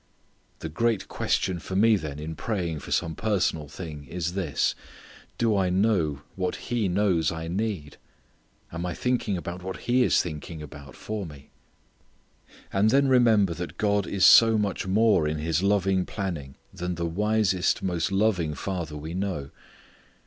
The great question for me then in praying for some personal thing is this: Do I know what He knows I need? Am I thinking about what He is thinking about for me? And then remember that God is so much more in His loving planning than the wisest, most loving father we know.